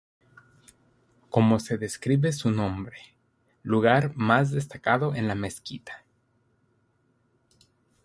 Como se describe su nombre, lugar más destacado en la mezquita.